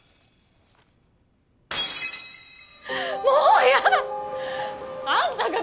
もう嫌だ！